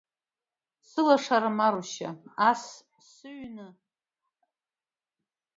Сылашара Марушьа, ас сыҩны бызбарушь ҳәа сгәырҩоижьҭеи иҵуа бдыруоу?